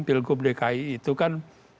di pilkub dki itu kan